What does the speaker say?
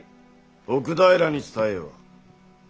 奥平に伝えよ。